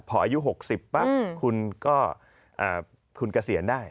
พออายุ๖๐ป่ะคุณก็เกษียณได้